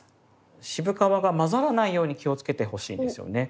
渋皮が混ざらないように気をつけてほしいんですよね。